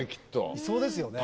いそうですよね。